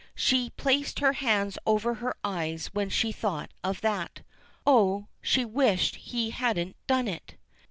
She placed her hands over her eyes when she thought of that. Oh! she wished he hadn't done it!